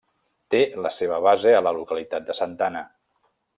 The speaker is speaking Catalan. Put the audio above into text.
Té la seva base a la localitat de Santana.